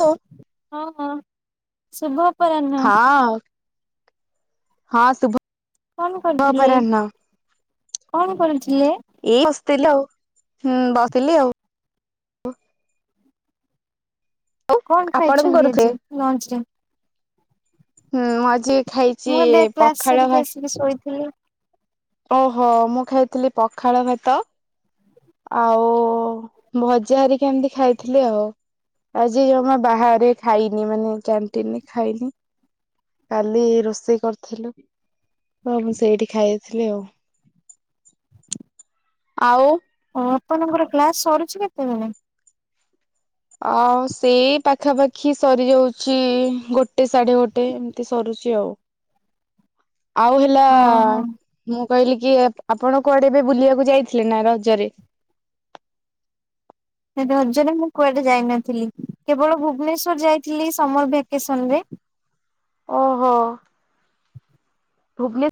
Phone ହଁ ହଁ, ଶୁଭ ଅପରାହ୍ନ। ହଁ ହଁ ଶୁଭ କଣ କରୁଥିଲେ, ଅପରାହ୍ନ କଣ କରୁଥିଲେ? ଏଇ ବସିଥିଲି ଆଉ ହୁଁ ବସିଲି ଆଉ। କଣ ଆପଣ ଖାଇଛନ୍ତି କରୁଥିଲେ? ଆଜି ଲଞ୍ଚ ରେ? ହୁଁ ମୁ ଆଜି ଖାଇଛି ପଖାଳ ଭାତ ବି ଶୋଇଥିଲି। ଓହୋ ମୁଁ ଖାଇଥିଲି ପଖାଳ ଭାତ। ଆଉ ଭଜା ହାରିକି ଏମିତି ଖାଇଥିଲି, ଆଉ। ଆଜି ଜମା ବାହାରେ ଖାଇନି ମାନେ କ୍ୟାଣ୍ଟିନରେ ଖାଇନି। କାଲି ରୋଷେଇ କରିଥିଲୁ। ତ ମୁଁ ସେଇଠି ଖାଇଥିଲି ଆଉ। ଆଉ ହ ଆପଣଙ୍କର କ୍ଲାସ ସରୁଛି କେତେବେଳେ? ଆଉ ସେଇ ପାଖାପାଖି ସରିଯାଉଛି ଗୋଟେ ସାଢେ ଗୋଟେ ଏମିତି ସରୁଛି ଆଉ। ଆଉ ହେଲା ହଁ ହଁ ମୁଁ କହିଲି କି ଆପଣ କୁଆଡେ ଏବେ ବୁଲିବାକୁ ଯାଇଥିଲେ ନା ରଜରେ? ରଜ ରେ ମୁଁ କୁଆଡେ ଯାଇନଥିଲି। କେବଳ ଭୁବନେଶ୍ୱର ଯାଇଥିଲି ସମର ଭେକେସନ ରେ। ଓହୋ। ଭୁବନେ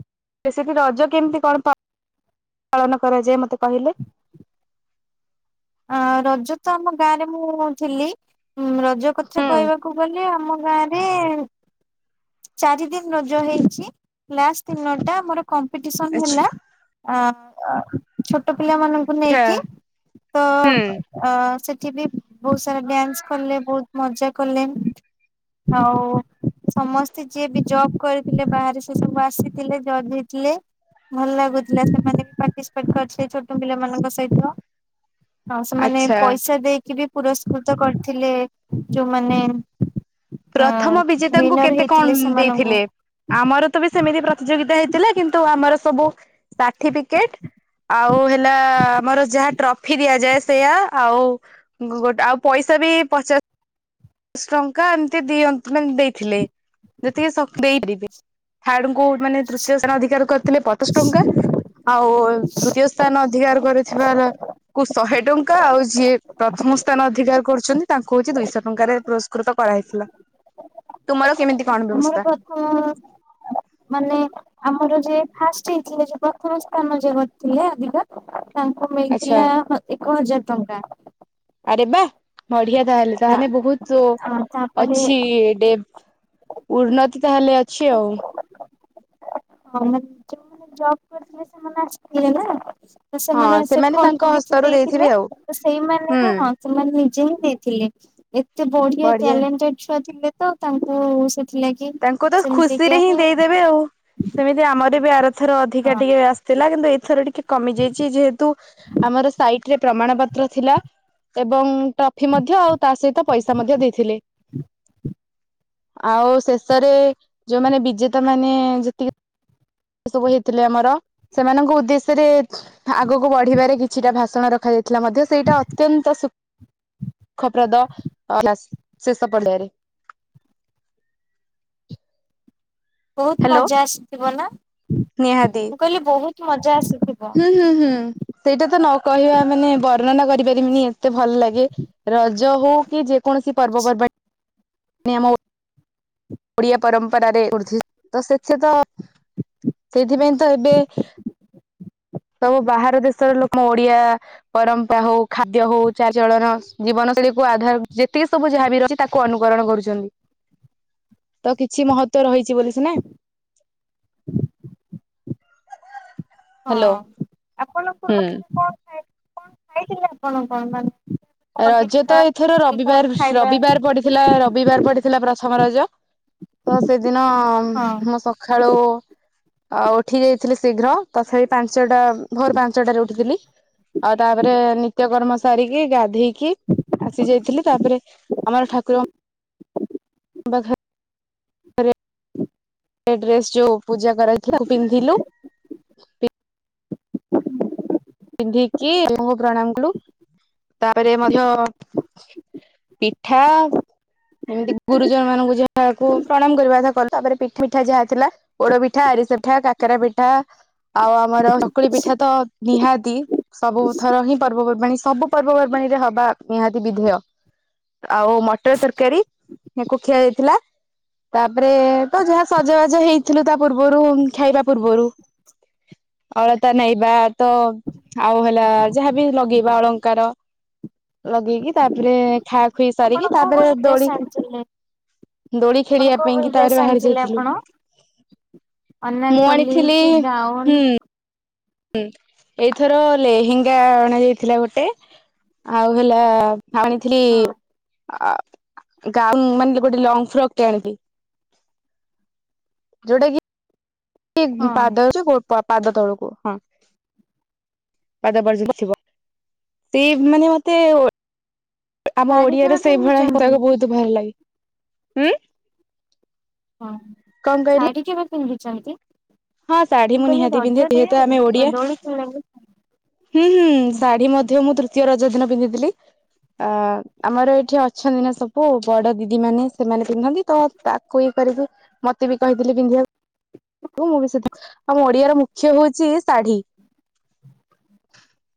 ରେ ସେଠି ରଜ କେମିତି କଣ ପାଳନ କରାଯାଏ। ମତେ କହିଲେ? ଅ ରଜ ତ ଆମ ଗାଁ ରେ ମୁଁ ଥିଲି। ରଜ କଥା ହୁଁ କହିବାକୁ ଗଲେ ଆମ ଗାଁରେ ଚାରି ଦିନ ରଜ ହେଇଛି ଲାଷ୍ଟ ଦିନଟା ଆମର କମ୍ପିଟିସନ ଆଛା ହେଲା। ଆ ଛୋଟ ପିଲାମାନାନଙ୍କୁ ନେଇକି ତ ହୁଁ ଅ ସେଠି ବି ବହୁତ ସାରା ଡ୍ୟାନ୍ସ କଲେ ବହୁତ ମଜା କଲେ। ଆଉ ସମସ୍ତେ ଯିଏ ବି ଜବ କରିଥିଲେ ବାହାରେ ସେ ସବୁ ଆସିଥିଲେ, ଜଜ ହେଇଥିଲେ। ଭଲ ଲାଗୁଥିଲା ସେମାନେ ବି ପାର୍ଟିସିପେଟ କରିଥିଲେ। ଛୋଟ ପିଲାମାନଙ୍କ ସହିତ। ହଉ ସେମାନେ ଆଚ୍ଛା। ପଇସା ଦେଇକି ବି ପୁରସ୍କୃତ କରିଥିଲେ। ଯୋଉମାନେ ପ୍ରଥମ ବିଜେତାଙ୍କୁ ୱିନର କେତେ ହେଇଥିଲେ କଣ ସେମାନଙ୍କୁ ଦେଇଥିଲେ? ଆମର ତ ବି ସେମିତି ପ୍ରତିଯୋଗିତା ହେଇଥିଲା। କିନ୍ତୁ ଆମର ସବୁ ସାର୍ଟିଫିକେଟ ଆଉ ହେଲା ଆମର ଯାହା ଟ୍ରଫି ଦିଆଯାଏ। ସେଇୟା ଆଉ ଗୋଟେ ଆଉ ପଇସା ବି ପଚାଶଶ ଟଙ୍କା ଏମତି ଦିଅ ମାନେ ଦେଇଥିଲେ। ଯେତିକି ଦେଇବେ ହାଡଙ୍କୁ ମାନେ ତୃତୀୟ ସ୍ଥାନ ଅଧିକାର କରିଥିଲେ। ପଚାଶ ଟଙ୍କା। ଆଉ ଦ୍ଵିତୀୟ ସ୍ଥାନ ଅଧିକାର କରିଥିବା କୁ ଶହେ ଟଙ୍କା ଆଉ ଯିଏ ପ୍ରଥମ ସ୍ଥାନ ଅଧିକାର କରୁଛନ୍ତି ତାଙ୍କୁ ହଉଛି ଦୁଇଶହ ଟଙ୍କାରେ କୃତ କରାଇଥିଲା। ତୁମର କେମିତି? ଆମର [inaudible] ମାନେ ଆମର ଯ ଫାଷ୍ଟ ହେଇଥିଲା ପ୍ରଥମ ସ୍ଥାନ ଯ କରିଥିଲେ ଧିକା ତାଙ୍କୁ ଆଚ୍ଛା ମିଳିଥିଲା ଏକ ହଜାର ଟଙ୍କା ଆରେ ବା ବଢିଆ ତାହେଲେ ତାହେଲେ ବହୁତ ଆ ତାପରେ ଅଛି ଡ ଉନ୍ନତି ତାହେଲେ ଅଛି ଆଉ ହଁ ମାନ ଯୋଉମାନେ ଜବ କରିଥିଲେ ସେମାନେ ଆସିଥିଲେ ନା ହଁ ସେମାନେ ସେ ଫୋନ ତାଙ୍କ କୁ କିଛି ହସ୍ତରୁ ଦେଇଥିବେ ଦେଇଥିଲେ ଆଉ ସେଇମାନେ ହୁଁ ହିଁ ହଁ ସେମାନେ ନିଜେ ହିଁ ଦେଇଥିଲେ। ଏତେ ବଢିଆ ଟ୍ୟାଲେଣ୍ଟେଡ ଛୁଆ ଥିଲେ ତ ତାଙ୍କୁ ସେଥିଲାଗି ତାଙ୍କୁ ତ ଖୁସିରେ ହିଁ ଦେଇଦେବେ ଆଉ ସେମିତି ଆମର ବି ଆରଥର ଅଧିକା ହଁ ଟିକେ ଆ ଥିଲା କିନ୍ତୁ ଏଥର ଟିକେ କମି ଯାଇଛି ଯେହେତୁ ଆମର ସାଇଟ ରେ ପ୍ରମାଣ ପତ୍ର ଥିଲା ଏବଂ ଟ୍ରଫି ମଧ୍ୟ ଆଉ ତା ସହିତ ପଇସା ମଧ୍ୟ ଦେଇଥିଲେ। ଆଉ ଶେଷରେ ଯୋଉମାନେ ବିଜେତା ମାନେ ଯେତିକି ଏ ସବୁ ହେଇଥିଲେ ଆମର ସେମାନଙ୍କ ଉଦ୍ଦେଶ୍ୟରେ ଆଗକୁ ବଢିବାରେ କିଛିଟା ଭାଷଣ ରଖାଯାଇଥିଲା। ଥିଲା ମଧ୍ୟ ସେଇଟା ଅତ୍ୟନ୍ତ ସୁଖପ୍ରଦ ଶେଷ ପର୍ୟରେ। ବହୁତ ହ୍ୟାଲୋ ମଜା ଆସିଥିବ ନା ନିହାତି। ମୁଁ କହିଲି ବହୁତ ମଜା ଆସିଥିବ। ହୁଁ ହୁଁ ହୁଁ। ସେଇଟା ତ ନ କହିବା ମାନେ ବର୍ଣ୍ଣନା କରିପାରିବିନି ଏତେ ଭଲ ଲାଗେ ରଜ ହଉ କି ଯେ କୌଣସି ପର୍ବ ପର୍ବାଣି ଆମ ଓଡିଆ ପରମ୍ପରାରେ ଉଠ ତ ସେଥି ତ ସେଥିପାଇଁ ତ ଏବେ ସବୁ ବାହାର ଦେଶର ଲୋକ ଓଡିଆ ପରମ୍ପରା ହଉ ଖାଦ୍ୟ ହଉ ଚାରଚଳନ ଜୀବନଶୈଳୀ କୁ ଆଧାର ଯେତିକି ସବୁ ଯାହାବି ର ତାକୁ ଅନୁକରଣ କରୁଛନ୍ତି। ତ କିଛି ମହତ୍ୱ ରହିଛି ବୋଲି ସିନା। ହଁ ହ୍ୟାଲୋ ଆପଣଙ୍କ ହୁଁ। ରଜରେ କଣ ଖାଇ କଣ ଖାଇଥିଲେ ଆପଣ କଣ ମାନ ରଜ ତ ଏଥର ରବିବାର ରବିବାର ପଡିଥିଲା ରବିବାର ପଡିଥିଲା ପ୍ରଥମ ରଜ ତ ସେଦିନ ହଁ ମୁଁ ସକାଳୁ ଆ ଉଠି ଯାଇଥିଲି ଶୀଘ୍ର ତଥାପି ପାଞ୍ଚଟା ଭୋର ପାଞ୍ଚଟାରେ ଉଠିଥିଲି। ଆଉ ତାପରେ ନିତ୍ୟକ୍ରମ ସାରିକି ଗା ଦେଇକି ଆସି ଯାଇଥିଲି ତାପରେ ଆମର ଠାକୁର [inaudible] [inaudible] ସେ ଡ୍ରେସ୍ ଯୋଉ ପୂଜା କରାହେଥିଲୁ ପିନ୍ଧିଲୁ। ପିନ୍ଧିକି ମହ ପ୍ରଣାମ କୁୁ ତାପରେ ମଧ୍ୟ ପିଠା ଏମିତି ଗୁରୁଜନ ମାନଙ୍କୁ ଯାହାକୁ ପ୍ରଣାମ କରିବା କଥା କଲୁ ତାପରେ ପିଠା ମିିଠା ଯାହା ଥିଲା ପୋଡ ପିଠା ଆରିସା ପିଠା କାକରା ପିଠା ଆଉ ଆମର ସକୁଳି ପିଠା ତ ନିହାତି ତି ସବୁଥର ହିଁ ପର୍ବପର୍ବାଣୀ ସବୁ ପର୍ବପର୍ବାଣୀ ରେ ହବା ନିହାତି ବିଧେୟ ଆଉ ମଟର ତରକାରୀ କୁ ଖିଆ ଯାଇଥିଲା। ତାପରେ ତ ଯାହା ସଜବାଜ ହେଇଥିଲୁ ତା ପୂର୍ବରୁ ଖାଇବା ପୂର୍ବରୁ ଅଳତା ନାଇଁବା ତ ଆଉ ହେଲା ଯାହାବି ଲଗେଇବା ଅଳଙ୍କାର ଲଗେଇକି ତାପରେ ଖା ପି ଆପଣ ସାରିକି କୋଉ ତାପରେ କୋଉ ଡ୍ରେସ ଦୋଳି ଆଣିଥିଲେ? ଦୋଡି ଆପଣ ଖେଳିବା କୋଉ ପାଇଁ ଭଳି କି ଡ୍ରେସ୍ ତାପରେ ବାହାରି ଆଣିଥିଲେ ଯାଇଥିଲୁ। ଆପଣ? ମୁଁ ଅନାରକଲି ଆଣିଥିଲି କି ଗାଉନ ହୁଁ। ହୁଁ, ଏଇଥର ଲେହେଙ୍ଗା ଅଣା ଯାଇଥିଲା ଗୋଟେ। ଆଉ ହେଲା ଆଣିଥିଲି ହଁ ଆ ଗାଉନ ମାନେ ଗୋଟେ ଲଙ୍ଗ ଫ୍ରକ୍ ଟେ ଆଣିବି। ଯୋଉଟା କି କି ହଁ ପାଦ ଅଛି ଗୋ ପାଦ ତଳକୁ ହଁ। ପାଦ ପର୍ଜନ୍ତ ଥିବ ତି ମାନେ ମତେ ଆମ ଶାଢୀ ଓଡିଆରେ କେବେ ସେଇଭଳିଆ ହିଁ ପିନ୍ଧିଛନ୍ତି? ତାକୁ ବହୁତ ଭଲ ଲାଗେ। ଉଁ ହଁ, ସାଢି କେବେ ପିନ୍ଧିଛନ୍ତି? ହଁ ଶାଢୀ ମୁଁ କହିଲି ନିହାତି ପିନ୍ଧେ ରଜରେ ଯେହେତୁ ଆମେ ଓଡିଆ। ଦୋଳି ଖେଳିଲା ବେଳେ ହୁଁ ହୁଁ ଶାଢୀ ମଧ୍ୟ ମୁଁ ତୃତୀୟ ରଜ ଦିନ ପିନ୍ଧିଥିଲି। ଅ ଆମର ଏଠି ଅଛନ୍ତି ନା ସବୁ ବଡ ଦିଦି ମାନେ ସେମାନେ ପିନ୍ଧନ୍ତି ତ ତାକୁ ଇଏ କରିବି ମତେ ବି କହିଥିଲେ ବିନ୍ଧିଆକୁ। ମୁଁ ବି ସେ ଆମ ଓଡିଆର ମୁଖ୍ୟ ହଉଛି ଶାଢୀ।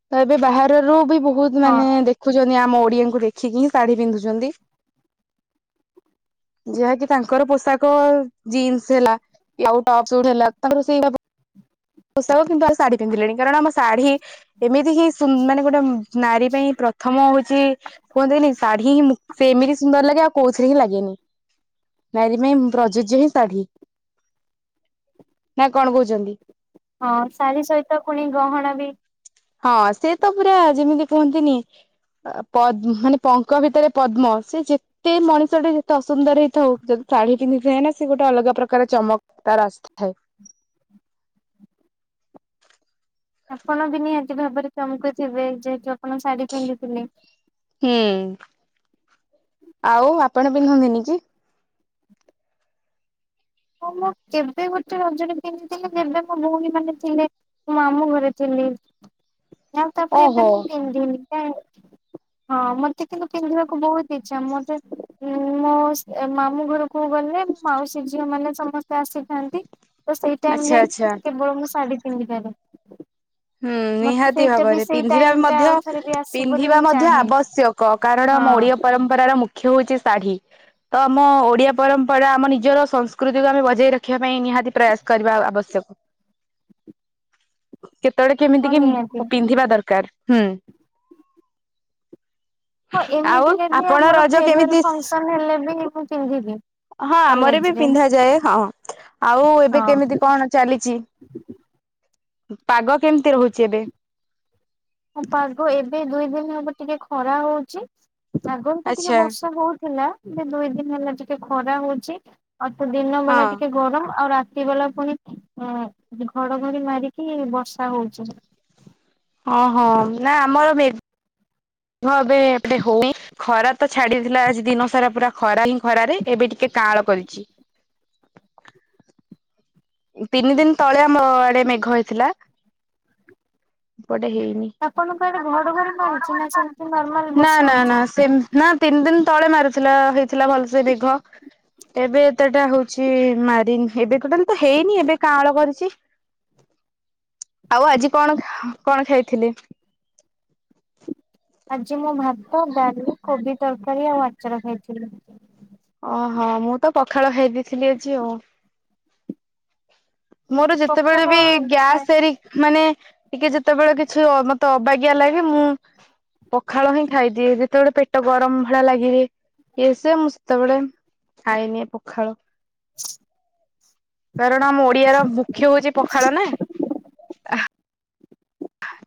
ତ ଏବେ ବାହାରରୁ ବି ବହୁତ ହଁ ମାନେ ଦେଖ ଦେଖୁଛନ୍ତି, ଆମ ଓଡିଆଙ୍କୁ ଦେଖିକି ହିଁ ଶାଢ଼ୀ ପିନ୍ଧୁଛନ୍ତି। ଯାହାକି ତାଙ୍କର ପୋଷାକ ଜିନ୍ସ ହେଲା ଆଉ ଟପ୍ ହେଲା ତାଙ୍କର ସେଇ ଭଳି ପୋଷାକ କିନ୍ତୁ ଆଉ ଶାଢୀ ପିନ୍ଧିଲେଣି କାରଣ ଆମ ଶାଢୀ ଏମିତି ହିଁ ସୁ ମାନେ ଗୋଟେ ନାରୀ ପାଇଁ ପ୍ରଥମ ହଉଛି କି କୁହନ୍ତିନି ଶଢୀ ହିଁ ମୁ ସେ ଏମିତି ସୁନ୍ଦର ଲାଗେ ଆଉ କୋଉଥିରେ ହିଁ ଲାଗେନି। ନାରୀ ପାଇଁ ପ୍ରଯୋଜ୍ୟ ହିଁ ଶାଢୀ। ନା କଣ କହୁଛନ୍ତି? ହଁ ଶାଢୀ ସହିତ ପୁଣି ଗହଣା ବି ହଁ ସେ ତ ପୁରା ଯେମିତି କୁହନ୍ତିନି ପଦ୍ମ ମାନେ ପଙ୍କ ଭିତରେ ପଦ୍ମ। ସେ ଯେ ତେ ମଣିଷଟେ ଯେତେ ଅସୁନ୍ଦର ହେଇଥାଉ, ଯଦି ଶାଢୀ ପିନ୍ଧିଥାଏ ନା ସେ ଗୋଟେ ଅଲଗା ପ୍ରକାର ଚମକ୍ ତାର ଆସିସି ଥାଏ। ଆପଣ ବି ନିହାତି ଭାବରେ ଚ଼ମକୁ ଥିବେ। ଯେହେତୁ ଆପଣ ଶାଢୀ ପିନ୍ଧିଥିଲେ। ହୁଁ, ଆଉ ଆପଣ ପିନ୍ଧନ୍ତିନି କି? ମୁଁ ମୁଁ କେବେ ଗୋଟେ ରଜରେ ପିନ୍ଧିଥିଲି ଯେବେ ମୋ ଭଉଣୀ ମାନେ ଥିଲେ। ମାମୁଁ ଘରେ ଥିଲି। [inaudible] ଆଉ ତାପରେ ଏବେ ଓହୋ ମୁଁ ପିନ୍ଧିନି। କାଇଁ [inaudible] ହଁ ମତେ କିନ୍ତୁ ପିନ୍ଧିବାକୁ ବହୁତ ଇଛା। ମତେ ମୋ ମାମୁଁ ଘରକୁ ଗଲେ ମାଉସୀ ଝି ଝିଅ ମାନେ ସମସ୍ତେ ଆସିଥାନ୍ତି। ତ ସେଇ ଟାଇମ୍ ଆଚ୍ଛା ରେ ଆଚ୍ଛା। କେବଳ ମୁଁ ଶାଢୀ ପିନ୍ଧିପାରେ। ହୁଁ ମତେ ନିହାତି ସେଇଟା ବି ଭାବରେ। ସେଇ ପିନ୍ଧିବା ଟାଇମ ଟା ମଧ୍ୟ ଆଉ ଥରେ ବି ଆସୁ ବୋଲି ପିନ୍ଧିବା ମୁଁ ମଧ୍ୟ ଚାହେଁ ଆବଶ୍ୟକ୍। କ କାରଣ ଆମ ଓଡିଆ ହଁ। ପରମ୍ପରାର ମୁଖ୍ୟ ହଉଚି ଶାଢୀ। ତ ଆମ ଓଡିଆ ପରମ୍ପରା ଆମ ନିଜର ସଂସ୍କୃତିକୁ ଆମେ ବଜାଇ ରଖିବା ପାଇଁ ନିହାତି ପ୍ରୟାସ କରିବା ଆବଶ୍ୟକ। କେତେବେଳେ କେମିତି ହଁ କିମ୍ ନିହାତି ପିନ୍ଧିବା ଦରକାର। ହୁଁ। ହଁ ଆଉ ଏମିତିରେ ବି ଆପଣ ଆମର ରଜ ଫେରୱେଲ୍ କେମିତି ଫଙ୍କସନ୍ ହେଲେ ବି ମୁଁ ପିନ୍ଧିଦିଏ। ହଁ ଆମର ବି ପିନ୍ଧାଯାଏ। ହଁ। ଆଉ ଏବେ ହଁ କେମିତି କଣ ଚାଲିଚି? ପାଗ କେମତି ରହୁଚି ଏବେ? ହଁ ପାଗ ଏବେ ଦୁଇ ଦିନି ହବ ଟିକେ ଖରା ହଉଚି। ଆଗରୁ ତ ଟିକେ ଆଚ୍ଛା ବର୍ଷା ହଉଥିଲା। ଏବେ ଦୁଇ ଦିନି ହେଲା ଟିକେ ଖରା ହଉଚି। ଆଉ ତ ଦିନ ହଁ ବେଲା ଟିକେ ଗରମ୍ ଆଉ ରା ରାତି ବେଲା ପୁଣି ଘଡଘଡି ମାରିକି ବର୍ଷା ହଉଚି। ଅ ହ। ନା ଆମର ମେଘ ଏବେ ଏପଟେ ହଉନି। ଖରା ତ ଛାଡିଥିଲା ଆଜି ଦିନ ସାରା ପୁରା ଖରା ହିଁ ଖରାରେ। ଏବେ ଟିକେ କାଆଁଳ କରିଚି। ତିନି ଦିନି ତଳେ ଆମ ଆଡେ ମେଘ ହେଇଥିଲା। ଏପଟେ ହେଇନି। ଆପଣଙ୍କ ଆଡେ ଆପଣଙ୍କ ଘଡଘଡି ଆଡେ ମାରୁଚି ଘଡଘଡି ନା ମାରୁନି? ସେମିତି ନର୍ମାଲ ନା ବର୍ଷା ନା ନା ହଉଚି? ସେ ନା ତିନି ଦିନି ତଳେ ମାରିଥିଲା ହେଇଥିଲା ଭଲସେ ମେଘ। ଏବେ ଏତେଟା ହଉଚି ମାରିନି। ଏବେ ଟୋଟାଲି ତ ହେଇନି ଏବେ କାଆଁଳ କରିଚି। ଆଉ ଆଜି କଣ କଣ ଖାଇଥିଲେ? ଆଜି ମୁଁ ଭାତ, ଡାଲି କୋବି ତରକାରୀ ଆଉ ଆଚାର ଖାଇଥିଲି। ଅ ହ। ମୁଁ ତ ପଖାଳ ଖାଇ ଦେଇଥିଲି ଆଜି ଆଉ। ମୋର ଯେତେବେଳେ ପଖାଳ ବି ଖାଇ ଗ୍ୟାସ୍ ହେରି ମାନେ ଟିକେ ଯେତେବେଳେ କିଛି ମତେ ଅବାଗିଆ ଲାଗେ ମୁଁ ପଖାଳ ହିଁ ଖାଇଦିଏ। ଯେତେବେଳେ ପେଟ ଗରମ୍ ଭଳିଆ ଲାଗେ ହି। ଇଏ ସେ ମୁଁ ସେତେବେଳେ ଖାଇନିଏ ପଖାଳ। କାରଣ ମୁଁ ପିଆର ମୁଖ୍ୟ ହଉଚି ପଖାଳ ନା।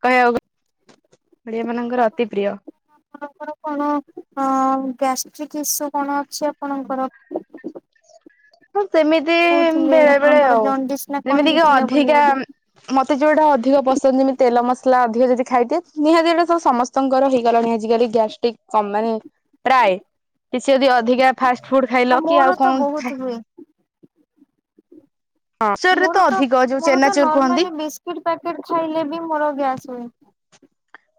କହିବାକୁ ଗ, ଓଡିଆ ମାନଙ୍କର ଅତି ପ୍ରିୟ। ଆପଣଙ୍କର କଣ ଅ ଗ୍ୟାଷ୍ଟ୍ରିକୁ ଇସୁ କଣ ଅଛି ଆପଣଙ୍କର? ହଁ ସେମି କହୁଥିଲେ ଆପଣଙ୍କର ଜଣ୍ଡିସ୍ ନା କଣ ଯେମିତି କି ହେଇଥିଲା ବୋଲି ଅଧିକା ବୋଧେ। ମତେ ଯଉଟା ଅଧିକ ପସନ୍ଦ ଯେମିତି ତେଲ ମସଲା ଅଧିକ ଯଦି ଖାଇଦିଏ, ନିହାତି ଏ ସବୁ ସମସ୍ତ ସ୍ତଙ୍କର ହେଇଗଲାଣି ଆଜିକାଲି ଗ୍ୟାଷ୍ଟ୍ରିକ୍ କମ୍ ମାନେ ପ୍ରାଏ। କିଛି ଯଦି ଅଧିକା ଫାଷ୍ଟ ଫୁଡ୍ ହଁ ଖାଇଲ କି ମୋର ଆଉ ତ କଣ ବହୁତ ଖାଇ ହୁଏ ହଁ ଚରରେ ମୋର ତ ଅଧିକ ଯୋଉ ମୋର ତ ଚେନାଚୁର କୁହନ୍ତି ନର୍ମାଲି ବିସ୍କିଟ୍ ପ୍ୟାକେଟ୍ ଖାଇଲେ ବି ମୋର ଗ୍ୟାସ୍ ହୁଏ।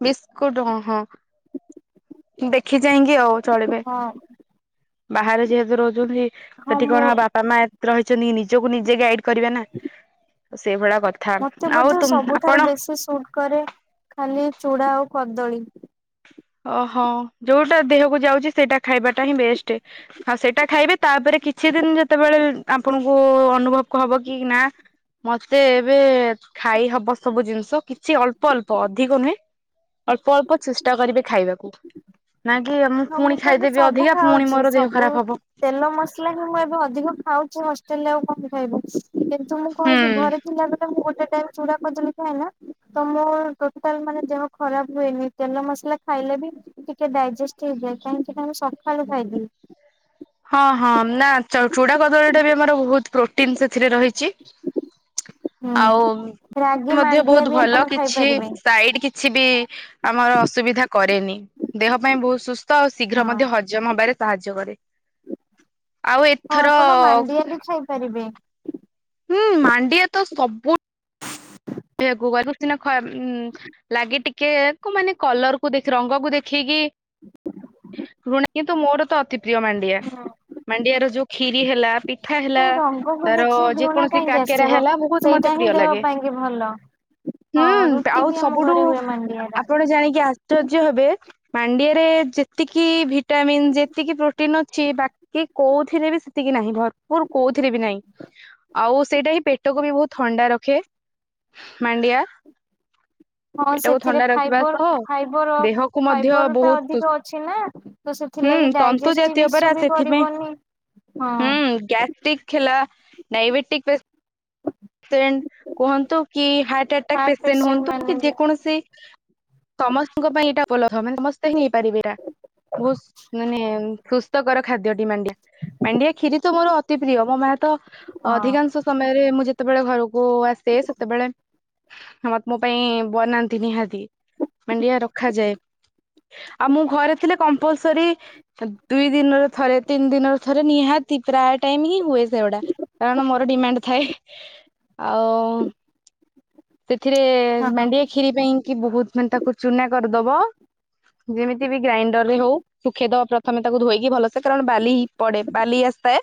ବିସ୍କୁଟ୍ ଓହଁ। ଦେଖି ଚାହିଁକି ଆଉ ଚଳିବେ ହଁ ବାହାରେ ଯେହେତୁ ରହୁଚନ୍ତି। ହଁ ସେଠି ମୁଁ କଣ ବାପା ମା ରହିଚନ୍ତି କି, ନିଜକୁ ନିଜେ ଗାଇଡ୍ କରିବେ ନା। ସେଇଭଳିଆ କଥା ଆଉ ତୁ ଆପଣ ସେ [unintelligible] କରେ ଖାଲି ଚୁଡା ଆଉ କଦଳୀ। ଓହୋ ଯୋଉଟା ଦେହକୁ ଯାଉଛି, ସେଇଟା ଖାଇବାଟା ହିଁ ବେଷ୍ଟେ। ଆଉ ସେଇଟା ଖାଇବେ, ତାପରେ କିଛିଦିନ ଯେତେବେଳେ ଆପଣଙ୍କୁ ଅନୁଭବ ହବ କି ନାଁ ମତେ ଏବେ ଖାଇ ହବ ସବୁ ଜିନିଷ କିଛି ଅଳ୍ପ-ଅଳ୍ପ ଅଧିକ ନୁହେଁ। ଅଳ୍ପ-ଅଳ୍ପ ଚେଷ୍ଟା କରିବେ ଖାଇବାକୁ। ନାଁ କି ମୁଁ ହଁ ପୁଣି ତ ଏବେ ଖାଇଦେବି ସବୁ ଅଧିକା ପୁଣି ଖାଉଛି ମୋର ଦେହ ସବୁ ଖରାପ ହବ। ତେଲ ମସଲା ହିଁ ମୁଁ ଏବେ ଅଧିକ ଖାଉଛି ହଷ୍ଟେଲରେ ଆଉ କଣ ଖାଇବୁ [unintelligible] ତ ମୁଁ କହିବି ହୁଁ ଘରେ ଥିଲାବେ ଳେ ମୁଁ ଗୋଟେ ଟାଇମ୍ ଚୁଡା କଦଳୀ ଖାଏ ନା, ତ ମୁଁ ଟୋଟାଲ୍ ମାନେ ଦେହ ଖରାପ୍ ହୁଏନି। ତେଲ ମସଲା ଖାଇଲେ ବି ଟିକେ ଡାଇଜେଷ୍ଟ ହେଇଯାଏ, କାହିଁକି ନା ମୁଁ ସଖାଳୁ ଖାଇଦିଏ। ହଁ-ହଁ ନାଁ ଚୂଡା କଦଳୀଟା ବି ଆମର ବହୁତ୍ ପ୍ରୋଟିନ୍ ସେଥିରେ ରହିଛି। ଆଉ ହୁଁ ରାଗି ମଧ୍ୟ ମାଣ୍ଡିଆ ବହୁତ୍ ବି ଆପଣ ଭଲ, କିଛି ଖାଇପାରିବେ। ସାଇଡ କି ଛିବି ଆମର ଅସୁବିଧା କରେନି, ଦେହ ପାଇଁ ବହୁତ୍ ସୁସ୍ ସ୍ଥ ହଁ ଶୀଘ୍ର ମଧ୍ୟ ହଜମ୍ ହବାରେ ସାହାଯ୍ୟ କରେ। ଆଉ ହଁ ଏଥର ଆପଣ ମାଣ୍ଡିଆ ବି ଖାଇପାରିବେ। ହୁଁ ମାଣ୍ଡିଆ ତ ସବୁ [inaudible] ଲାଗେ ଟିକେ କୁ ମାନେ କଲର୍ କୁ ଦେଖି ରଙ୍ଗକୁ ଦେଖେଇକି ପୁରୁଣା କିନ୍ତୁ ମୋର ତ ଅତି ପ୍ରିୟ ମାଣ୍ଡିଆ। ମାଣ୍ଡିଆ ର ଯୋଉ ଖିରି ହେଲା ପିଠା ହେଲା ସେ ରଙ୍ଗକୁ ତାର ଦେଖିକି ଘୃଣା ଯେକୌଣସି କାକେରା ହେଲା ବହୁତ୍ ମତେ ପ୍ରିୟ ଲାଗେ। ଏ ଭଲ। ହଁ ହୁଁ ରୁଟି ଆଉ ବି ଆମ ସବୁଠୁ ଘରେ ହୁଏ ମାଣ୍ଡିଆର ଆପଣ ଜାଣିକି ଆଶ୍ଚର୍ଯ୍ୟ ହେବେ ମାଣ୍ଡିଆରେ ଯେତିକି ଭିଟାମିନ୍ ଯେତିକି ପ୍ରୋଟିନ୍ ଅଛି ବା କି କୋଉଥିରେ ବି ସେତିକି ନାହିଁ, ଭରପୁର କୋଉଥିରେ ବି ନାହିଁ। ଆଉ ସେଇଟା ହିଁ ପେଟକୁ ବି ବହୁତ୍ ଥଣ୍ଡା ରଖେ ମଣ୍ଡିଆ। ହଁ ପେଟକୁ ସେଥିରେ ଥଣ୍ଡା ରଖିବା ଫାଇବର ସହ ଫାଇବର ଦେହକୁ ମଧ୍ୟ ଫାଇବର ଟା ବହୁତ୍ ଅଧିକ ଅଛି ନା। ତ ହୁଁ ସେଥିଲାଗି ତନ୍ତୁ ଡାଇଜେଷ୍ଟିଭ ଜାତୀୟ ଇସୁ ପରା ବି ସେଥିପାଇଁ କରିବନି ହଁ। ହୁଁ ଗ୍ୟାଷ୍ଟିକ୍ ହେଲା ଡାଇବେଟିକ୍ ପେ ସେଣ୍ଟ କୁହନ୍ତୁ କି ହାର୍ଟ ଆଟାକ୍ ପେସେଣ୍ଟ ହୁଅନ୍ତୁ କି ଯେ କୌଣସି ସମସ୍ତଙ୍କ ପାଇଁ ଏଇଟା [unintelligible] ମାନେ ସମସ୍ତେ ହିଁ ନେଇପାରିବେ ଏଇଟା ବହୁତ୍ ମାନେ ସୁସ୍ଥକର ଖାଦ୍ୟଟି ମାଣ୍ଡିଆ, ମାଣ୍ଡିଆ ଖିରି ତ ମୋର ଅତି ପ୍ରିୟ ମୋ ମା ତ ହଁ ଅଧିକାଂଶ ସମୟରେ ମୁଁ ଯେତେବେଳେ ଘରକୁ ଆସେ ସେତେବେଳେ ମମୋ ପାଇଁ ବନାନ୍ତି ନିହାତି, ମାଣ୍ଡିଆ ରଖାଯାଏ। ଆଉ ମୁଁ ଘରେ ଥିଲେ କମ୍ପଲସରି ଦୁଇ ଦିନରେ ଥରେ ତିନି ଦିନରେ ଥରେ ନିହାତି ପ୍ରାୟ ଟାଇମ୍ ହିଁ ହୁଏ ସେଗୁଡା। କାରଣ ମୋର ଡିମାଣ୍ଡ ଥାଏ। ଆଉ ସେଥିରେ ହଁ ହଁ। ମାଣ୍ଡିଆ କ୍ଷୀରି ପାଇଁକି ବହୁତ୍ ମାନେ ତାକୁ ଚୁନା କରିଦବ। ଯେମିତି ବି ଗ୍ରାଇଣ୍ଡର ରେ ହଉ ଶୁଖେଇଦବ ପ୍ରଥମେ ତାକୁ ଧୋଇକି ଭଲସେ, କାରଣ ବାଲି ପଡେ ବାଲି ଆସିଥାଏ।